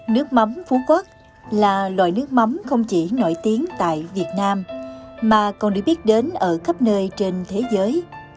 nước mắm phú quốc là loại nước mắm không chỉ nổi tiếng tại việt nam mà còn được biết đến ở khắp nơi trên thế giới